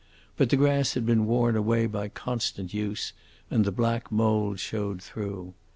But the grass had been worn away by constant use, and the black mould showed through.